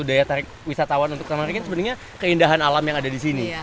daya tarik wisatawan untuk taman ringin sebenarnya keindahan alam yang ada di sini